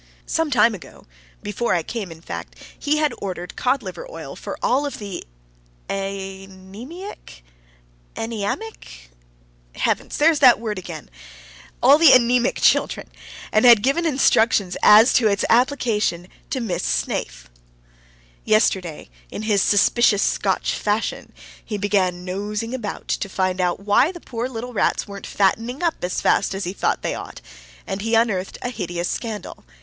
Some time ago before I came, in fact he had ordered cod liver oil for all of the {aenemic} Heavens! there's that word again! {aneamic} children, and had given instructions as to its application to Miss Snaith. Yesterday, in his suspicious Scotch fashion, he began nosing about to find out why the poor little rats weren't fattening up as fast as he thought they ought, and he unearthed a hideous scandal.